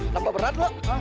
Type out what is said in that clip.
tambah berat loh